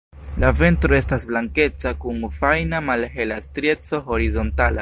La ventro estas blankeca kun fajna malhela strieco horizontala.